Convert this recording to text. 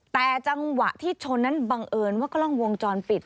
แต่จังหวะที่ชนนั้นบังเอิญว่ากล้องวงจรปิด